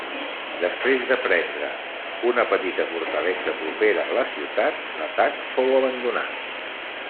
Després de prendre una petita fortalesa propera a la ciutat, l'atac fou abandonat.